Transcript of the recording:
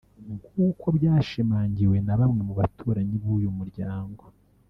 nk’uko byashimangiwe na bamwe mu baturanyi b’uyu muryango